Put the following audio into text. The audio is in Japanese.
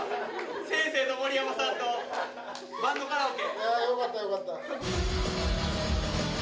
先生と盛山さんとバンドカラオケ。